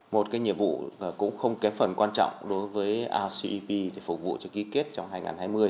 một cái nhiệm vụ cũng không kém phần quan trọng đối với rcep để phục vụ cho ký kết trong hai nghìn hai mươi